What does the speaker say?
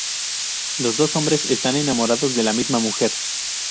Los dos hombres están enamorados de la misma mujer.